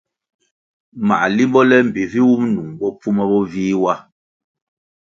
Mā limbo le mbpi vi wum nung bopfuma bo vih wa.